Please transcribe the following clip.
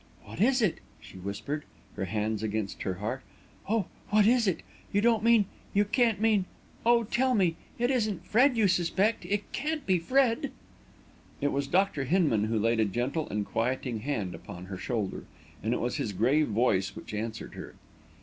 "What is it?" she whispered, her hands against her heart. "Oh, what is it? You don't mean you can't mean oh, tell me! It isn't Fred you suspect! It can't be Fred!" It was Dr. Hinman who laid a gentle and quieting hand upon her shoulder, and it was his grave voice which answered her.